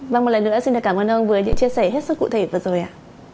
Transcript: vâng một lần nữa xin cảm ơn ông với những chia sẻ hết sức cụ thể vừa rồi ạ